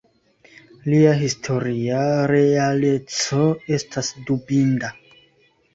Lia historia realeco estas dubinda.